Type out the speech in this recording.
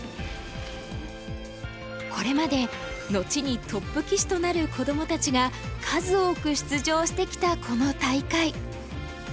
これまで後にトップ棋士となる子どもたちが数多く出場してきたこの大会。